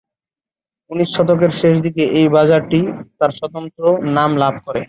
উনিশ শতকের শেষ দিকে এই বাজারটি তার স্বতন্ত্র নাম লাভ করে।